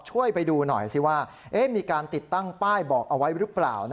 ช่วยไปดูหน่อยสิว่ามีการติดตั้งป้ายบอกเอาไว้หรือเปล่า